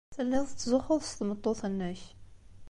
Telliḍ tettzuxxuḍ s tmeṭṭut-nnek.